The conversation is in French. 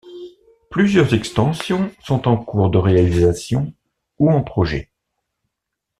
Plusieurs extensions sont en cours de réalisation ou en projet.